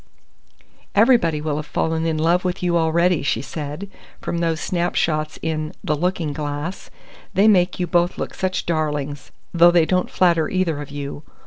"Everybody will have fallen in love with you already," she said, "from those snapshots in the Looking Glass. They make you both look such darlings though they don't flatter either of you.